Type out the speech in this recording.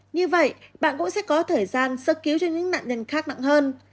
như vậy bạn cũng sẽ có thời gian sơ cứu cho những nạn nhân khác nặng hơn